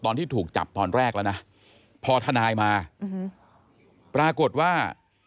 ตอนที่ถูกจับตอนแรกแล้วนะพอทนายมาปรากฏว่า